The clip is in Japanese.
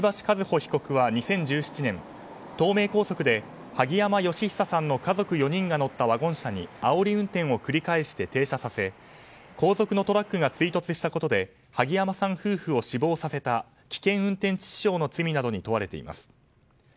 和歩被告は２０１７年東名高速で萩山嘉久さんの家族４人が乗ったワゴン車にあおり運転を繰り返して停車させ後続のトラックが追突したことで萩山さん夫婦を死亡させた危険運転致死傷などの罪に問われています。